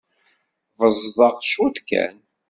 Beẓẓḍeɣ cwiṭ kan.